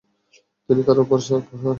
তিনি তার ওপর সওয়ার হলেন।